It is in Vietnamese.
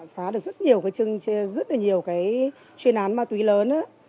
phá được rất nhiều cái chuyên án ma túy lớn